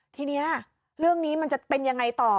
ทีนี้เรื่องนี้มันจะเป็นยังไงต่อ